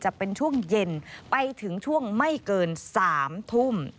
จะเป็นช่วงเย็นไปถึงช่วงไม่เกิน๓ทุ่ม